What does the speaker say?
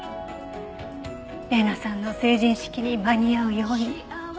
礼菜さんの成人式に間に合うように。